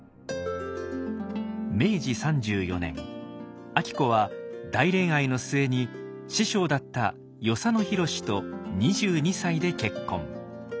明治３４年晶子は大恋愛の末に師匠だった与謝野寛と２２歳で結婚。